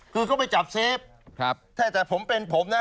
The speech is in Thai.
คือก็ไปจับเซฟแต่แต่ผมเป็นผมนะ